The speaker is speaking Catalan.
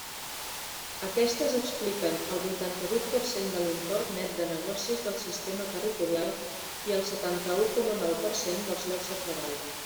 Aquestes expliquen el vuitanta-vuit per cent de l'import net de negocis del sistema territorial i el setanta-u coma nou per cent dels llocs de treball.